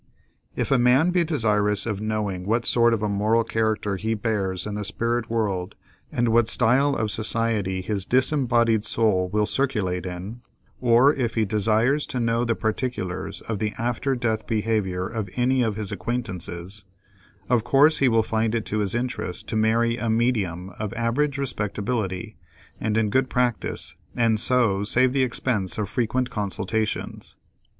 If a man be desirous of knowing what sort of a moral character he bears in the spirit world, and what style of society his disembodied soul will circulate in, or if he desires to know the particulars of the after death behavior of any of his acquaintances, of course he will find it to his interest to marry a "medium" of average respectability, and in good practice, and so save the expense of frequent consultations.